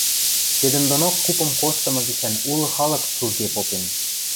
Седӹндонок купым коштымы гишӓн улы халык цужге попен.